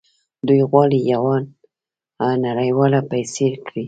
دوی غواړي یوان نړیواله پیسې کړي.